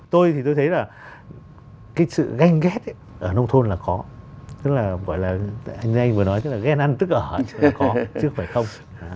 tôi thì tôi thấy là cái sự ganh ghét ở nông thôn là có tức là ghen ăn tức ở là có chứ không phải không